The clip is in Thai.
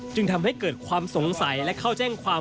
จึงทำให้เกิดความสงสัยและเข้าแจ้งความ